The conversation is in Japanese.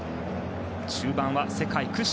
中盤は世界屈指。